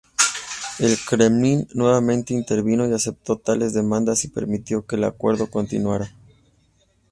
El Kremlin nuevamente intervino y aceptó tales demandas y permitió que el acuerdo continuara.